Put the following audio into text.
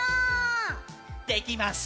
できます。